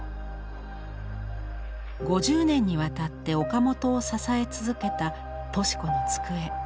５０年にわたって岡本を支え続けた敏子の机。